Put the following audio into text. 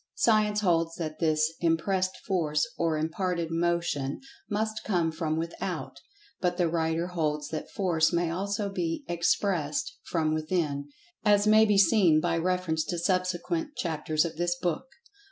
Science holds that this "impressed Force" or "imparted Motion" must come from without, but the writer holds that Force may also be "expressed" from "within," as may be seen by reference to subsequent chapters of this book.